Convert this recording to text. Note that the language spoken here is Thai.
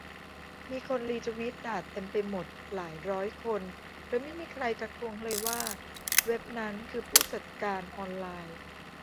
มีคนรีทวิตด่าเต็มไปหมดหลายร้อยคน โดยไม่มีใครทักท้วงเลยว่าเว็บนั้น คือ ผู้จัดการออนไลน์